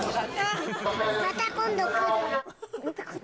また今度来る。